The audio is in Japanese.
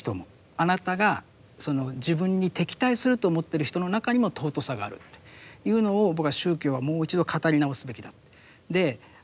あなたが自分に敵対すると思ってる人の中にも尊さがあるというのを僕は宗教はもう一度語り直すべきだ。